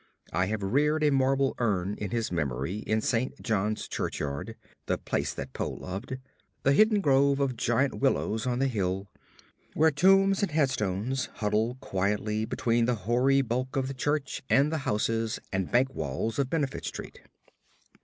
I have reared a marble urn to his memory in St. John's churchyard the place that Poe loved the hidden grove of giant willows on the hill, where tombs and headstones huddle quietly between the hoary bulk of the church and the houses and bank walls of Benefit Street.